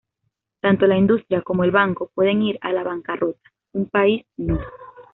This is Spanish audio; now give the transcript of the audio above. Tanto la industria como el banco pueden ir a la bancarrota, un país no.